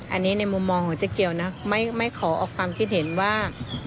อันนี้ในมุมมองของเจ๊เกียวนะไม่ขอออกความคิดเห็นว่า